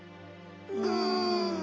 うん。